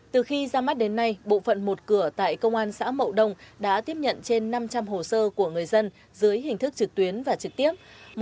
từ khi ra mắt đến nay bộ phận một cửa tại công an xã mậu đông đã tiếp nhận trên năm trăm linh hồ sơ của người dân dưới hình thức trực tuyến và trực tiếp